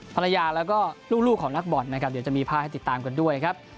ภรรยาแล้วก็ลูกของนักบอลนะครับเดี๋ยวจะมีภาพให้ติดตามกันด้วยครับ